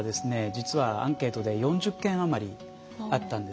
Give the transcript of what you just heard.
実はアンケートで４０件余りあったんですね。